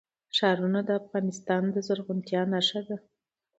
ښارونه د افغانستان د زرغونتیا نښه ده.